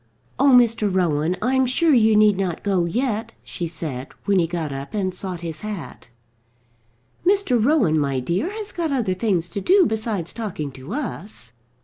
"Oh, Mr. Rowan, I'm sure you need not go yet," she said, when he got up and sought his hat. "Mr. Rowan, my dear, has got other things to do besides talking to us."